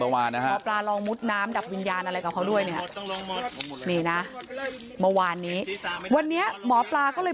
วานมาวานวันนี้วันนี้หมอปลาก็เลย